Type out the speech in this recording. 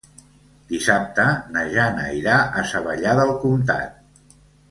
Dissabte na Jana irà a Savallà del Comtat.